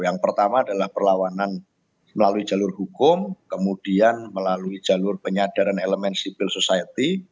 yang pertama adalah perlawanan melalui jalur hukum kemudian melalui jalur penyadaran elemen civil society